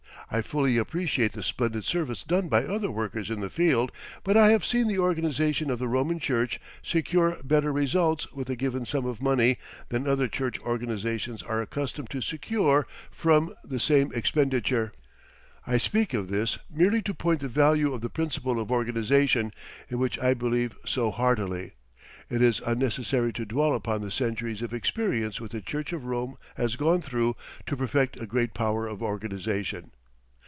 I fully appreciate the splendid service done by other workers in the field, but I have seen the organization of the Roman Church secure better results with a given sum of money than other Church organizations are accustomed to secure from the same expenditure. I speak of this merely to point the value of the principle of organization, in which I believe so heartily. It is unnecessary to dwell upon the centuries of experience which the Church of Rome has gone through to perfect a great power of organization.